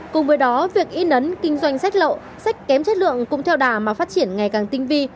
cùng với đó việc in ấn kinh doanh sách lậu sách kém chất lượng cũng theo đà mà phát triển ngày càng tinh vi